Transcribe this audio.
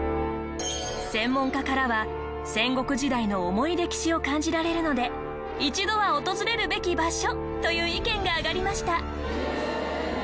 専門家からは戦国時代の重い歴史を感じられるので一度は訪れるべき場所という意見が上がりました。